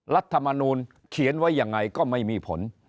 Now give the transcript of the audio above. รัฐมนูลเขียนไว้ยังไงก็ไม่มีผล